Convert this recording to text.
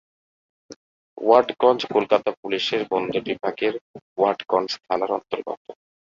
ওয়াটগঞ্জ কলকাতা পুলিশের বন্দর বিভাগের ওয়াটগঞ্জ থানার অন্তর্গত।